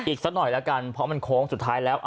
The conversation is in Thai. อีกสักหน่อยแล้วกันเพราะมันโค้งสุดท้ายแล้ว